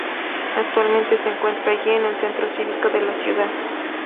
Actualmente se encuentra allí el Centro Cívico de la ciudad.